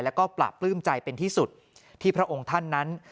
แล้วก็ปราบปลื้มใจเป็นที่สุดที่พระองค์ท่านนั้น